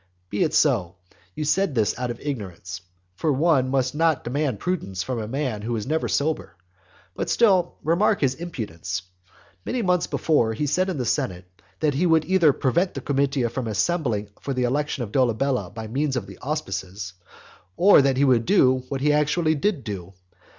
Be it so. You said this out of ignorance. For one must not demand prudence from a man who is never sober. But still remark his impudence. Many months before, he said in the senate that he would either prevent the comitia from assembling for the election of Dolabella by means of the auspices, or that he would do what he actually did do.